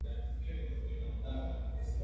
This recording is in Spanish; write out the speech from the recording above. Como sucede en toda la sub.